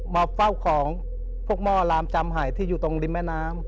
มาเฝ้าของพวกหม้อลามจำหายที่อยู่ตรงริมแม่น้ำ